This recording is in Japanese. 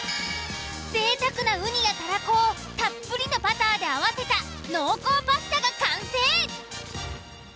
贅沢なウニやたらこをたっぷりのバターで合わせた濃厚パスタが完成！